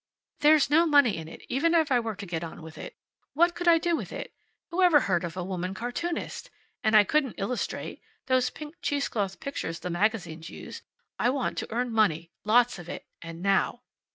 "There's no money in it, even if I were to get on with it. What could I do with it? Who ever heard of a woman cartoonist! And I couldn't illustrate. Those pink cheesecloth pictures the magazines use. I want to earn money. Lots of it. And now."